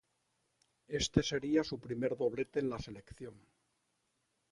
Éste sería su primer doblete en la selección.